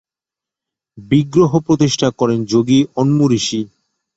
বিগ্রহ প্রতিষ্ঠা করেন যোগী অন্মুঋষি।